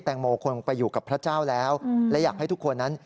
โมควรไปอยู่กับพระเจ้าแล้วและอยากให้ทุกคนนั้น